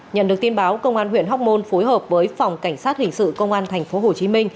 nhận được tin báo công an huyện hóc môn phối hợp với phòng cảnh sát hình sự công an tp hcm